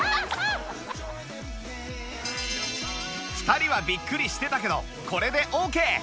２人はびっくりしてたけどこれでオーケー